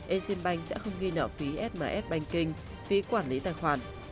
exim bank sẽ không ghi nợ phí sms banking phí quản lý tài khoản